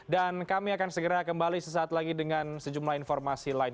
dan kami akan segera kembali sesaat lagi dengan sejumlah informasi lain